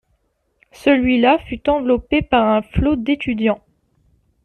Celui-là fut enveloppé par un flot d'étudiants.